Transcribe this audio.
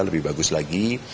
lebih bagus lagi